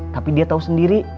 tapi dia tau sendiri